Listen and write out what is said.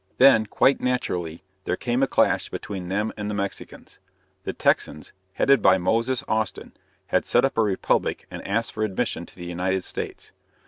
Then, quite naturally, there came a clash between them and the Mexicans. The Texans, headed by Moses Austin, had set up a republic and asked for admission to the United States.